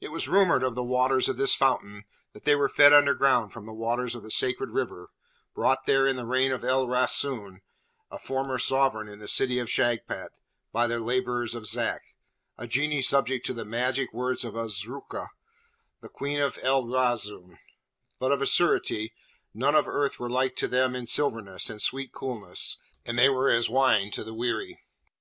It was rumoured of the waters of this fountain that they were fed underground from the waters of the Sacred River, brought there in the reign of El Rasoon, a former sovereign in the City of Shagpat, by the labours of Zak, a Genie subject to the magic of Azrooka, the Queen of El Rasoon; but, of a surety, none of earth were like to them in silveriness and sweet coolingness, and they were as wine to the weary.